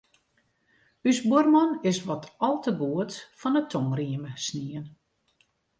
Us buorman is wat al te goed fan 'e tongrieme snien.